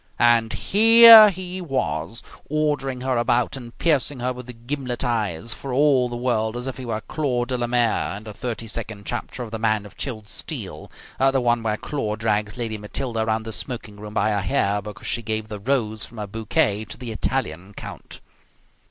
And here he was, ordering her about and piercing her with gimlet eyes, for all the world as if he were Claude Delamere, in the thirty second chapter of "The Man of Chilled Steel", the one where Claude drags Lady Matilda around the smoking room by her hair because she gave the rose from her bouquet to the Italian count.